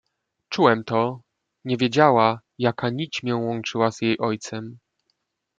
"Czułem to: nie wiedziała, jaka nić mię łączyła z jej ojcem."